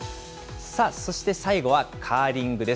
そして最後は、カーリングです。